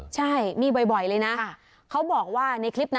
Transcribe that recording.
ใช่มีบ่อยเลยนะเขาบอกว่าในคลิปนะ